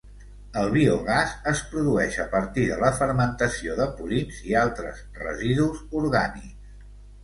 El biogàs es produeix a partir de la fermentació de purins i altres residus orgànics.